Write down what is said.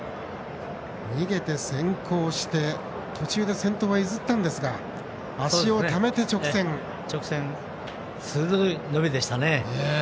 逃げて先行して途中で先頭を譲ったんですが鋭い伸びでしたね。